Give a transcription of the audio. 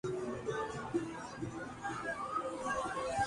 پیمرا کو کھلی چھوٹ نہیں ہونی چاہیے فلم ساز مہرین جبار